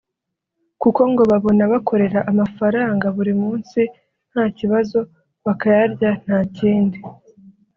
kuko ngo babona bakorera amafaranga buri munsi nta kibazo bakayarya nta kindi